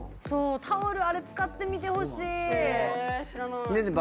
そうタオルあれ使ってみてほしい！へ知らない。